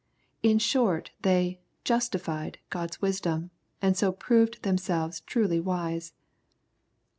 In short, they " justified'' God's wisdom, and so proved themselves truly wise.